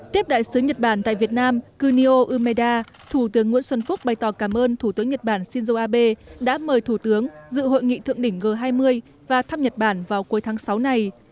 tiếp đại sứ nhật bản tại việt nam kunio umeda thủ tướng nguyễn xuân phúc bày tỏ cảm ơn thủ tướng nhật bản shinzo abe đã mời thủ tướng dự hội nghị thượng đỉnh g hai mươi và thăm nhật bản vào cuối tháng sáu này